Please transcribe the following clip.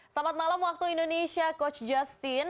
selamat malam waktu indonesia coach justin